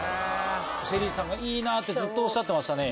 ＳＨＥＬＬＹさんがいいなってずっとおっしゃってましたね。